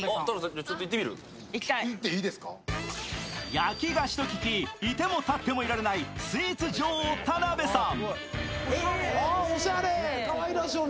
焼き菓子と聞きいても立ってもいられないスイーツ女王・田辺さん。